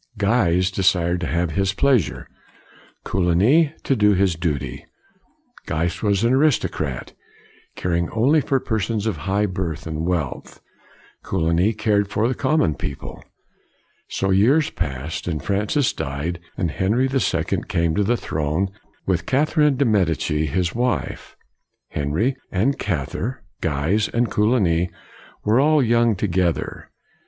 Guise desired to have his pleasure; Coligny to do his duty. Guise was an aristocrat, caring only for persons of high birth and wealth; Coligny cared for the common people. So years passed, and Francis died and Henry the Second came to the throne, with Catherine de' Medici his wife. Henry and Catherine, Guise and Coligny, were all young together.